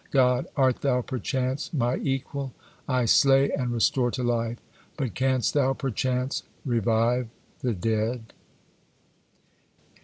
God: "Art thou perchance My equal? I slay and restore to life, but canst thou perchance revive the dead?"